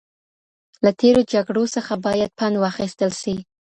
له تېرو جګړو څخه باید پند واخیستل سي.